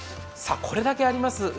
これだけあります